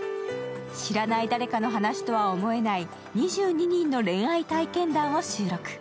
知らない誰かの話とは思えない２２人の恋愛体験談を収録。